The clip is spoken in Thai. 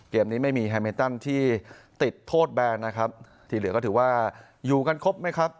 เกมนี้ไม่มีแฮมินตันที่ติดโทษแบนนะครับที่เหลือก็ถือว่าอยู่กันครบไหมครับ